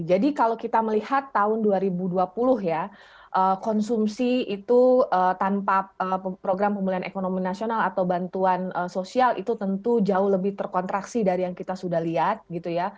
jadi kalau kita melihat tahun dua ribu dua puluh ya konsumsi itu tanpa program pemulihan ekonomi nasional atau bantuan sosial itu tentu jauh lebih terkontraksi dari yang kita sudah lihat